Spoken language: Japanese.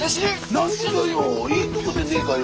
何でだよ